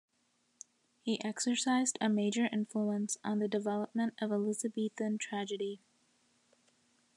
He exercised a major influence on the development of Elizabethan tragedy.